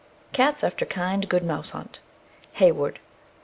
Cats after kind good mouse hunt. HEYWOOD.